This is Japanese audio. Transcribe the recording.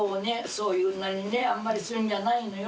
そんなにねあんまりするんじゃないのよ。